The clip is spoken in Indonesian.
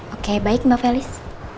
oke baik mbak felis